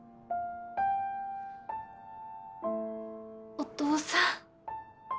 お義父さん